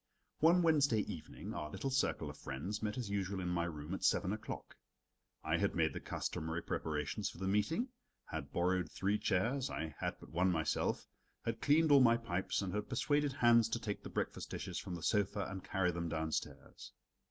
One Wednesday evening our little circle of friends met as usual in my room at seven o'clock. I had made the customary preparations for the meeting, had borrowed three chairs I had but one myself had cleaned all my pipes, and had persuaded Hans to take the breakfast dishes from the sofa and carry them downstairs.